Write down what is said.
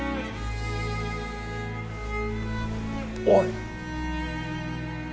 おい！